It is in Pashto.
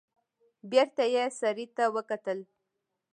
بېرته يې سړي ته وکتل.